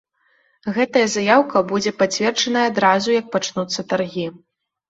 Гэтая заяўка будзе пацверджаная адразу, як пачнуцца таргі.